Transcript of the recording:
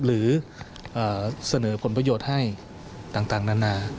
หรือเสนอผลประโยชน์ให้ต่างนานา